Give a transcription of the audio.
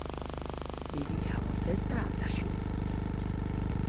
Viría ao Celta ata xuño.